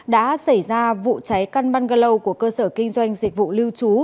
đã xảy ra vụ cháy căn bungalow của cơ sở kinh doanh dịch vụ lưu trú